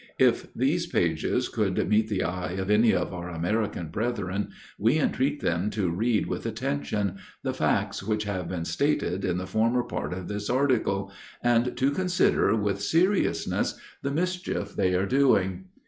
If these pages should meet the eye of any of our American brethren, we intreat them to read with attention, the facts which have been stated in the former part of this article, and to consider with seriousness the mischief they are doing.